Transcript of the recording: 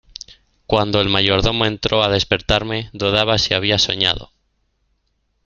cuando el mayordomo entró a despertarme, dudaba si había soñado: